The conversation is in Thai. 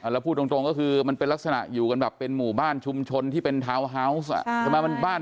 แล้วพูดตรงก็คือมันเป็นลักษณะอยู่กันแบบเป็นหมู่บ้านชุมชนที่เป็นทาวน์ฮาวส์ใช่ไหม